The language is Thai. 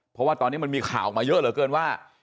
เพราะว่าตอนนี้มันมีข่าวออกมาเยอะเหลือเกินว่า